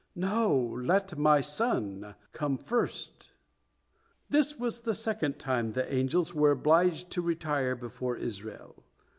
No, let my son come first!" This was the second time the angels were obliged to retire before Israel.